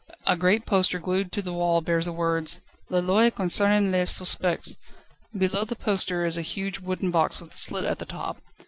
A great poster glued to the wall bears the words: "La Loi concernan les Suspects." Below the poster is a huge wooden box with a slit at the top.